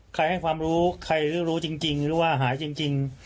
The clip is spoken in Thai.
ให้ความรู้ใครหรือรู้จริงหรือว่าหายจริง